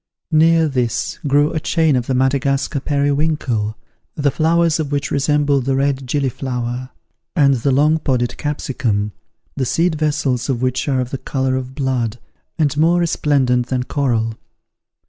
Near this grew a chain of the Madagascar periwinkle, the flowers of which resemble the red gilliflower; and the long podded capsicum, the seed vessels of which are of the colour of blood, and more resplendent than coral.